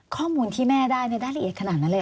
ข้อมูลที่แม่ได้ได้ละเอียดขนาดนั้นเลย